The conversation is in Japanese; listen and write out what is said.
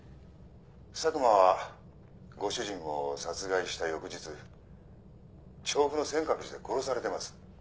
佐久間はご主人を殺害した翌日調布の先覚寺で殺されています。